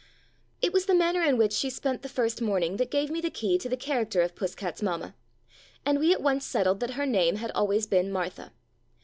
It was the manner in which she spent the first morning that gave me the key to the character of 234 "Puss cat" Puss cat's mamma, and we at once settled that her name had always been Martha.